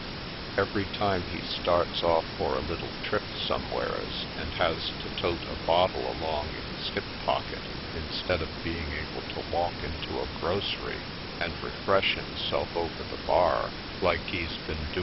Every time he starts off for a little trip somewheres and has to tote a bottle along in his hip pocket instead of being able to walk into a grocery and re fresh himself over the bar like he's been 14